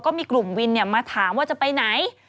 ก็มีกลุ่มวินมาถามว่าจะไปไหน